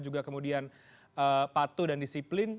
juga kemudian patuh dan disiplin